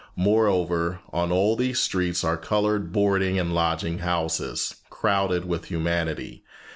Moreover, on all of these streets are colored boarding and lodging houses, crowded with humanity.